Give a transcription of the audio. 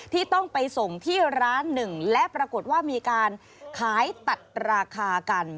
ที่ต้องไปส่งที่ร้านหนึ่งและปรากฏว่ามีการขายตัดราคากัน